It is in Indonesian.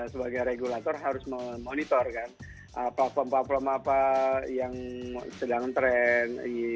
sebagai regulator harus memonitor kan platform platform apa yang sedang trend